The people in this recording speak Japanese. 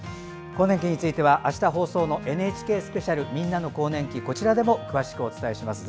更年期についてはあした放送のＮＨＫスペシャル「＃みんなの更年期」でも詳しくお伝えします。